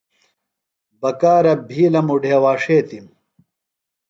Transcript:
بکارہ بِھیلم اُڈھیواݜیتِم۔